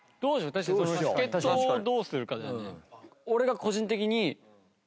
確かにその助っ人をどうするかだよね。